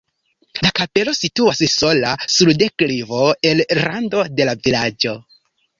La kapelo situas sola sur deklivo en rando de la vilaĝo.